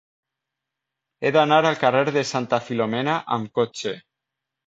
He d'anar al carrer de Santa Filomena amb cotxe.